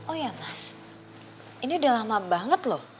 oh ya mas ini udah lama banget loh